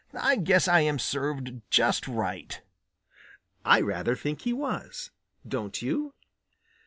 "I guess I am served just right." I rather think he was, don't you?